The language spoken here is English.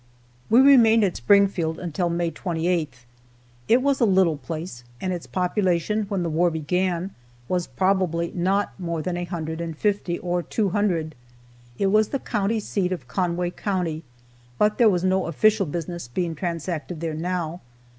We remained at Springfield until May 28th. It was a little place and its population when the war began was probably not more than a hundred and fifty, or two hundred. It was the county seat of Conway county, but there was no official business being transacted there now.